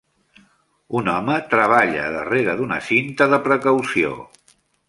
Un home treballa darrere d'una cinta de precaució.